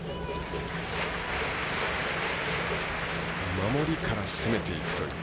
守りから攻めていくという。